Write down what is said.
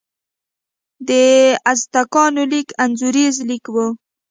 د ازتکانو لیک انځوریز لیک و.